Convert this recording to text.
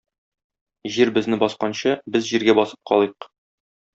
Җир безне басканчы, без җиргә басып калыйк.